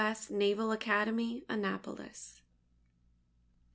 S. Naval Academy, Annapolis.